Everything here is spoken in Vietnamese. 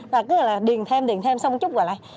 rồi cứ là điền thêm điền thêm xong chút rồi lại